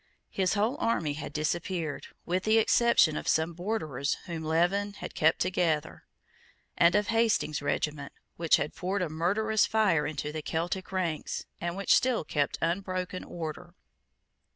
His whole army had disappeared, with the exception of some Borderers whom Leven had kept together, and of Hastings's regiment, which had poured a murderous fire into the Celtic ranks, and which still kept unbroken order.